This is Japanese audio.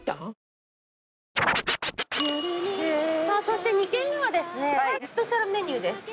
そして２軒目はですねスペシャルメニューです。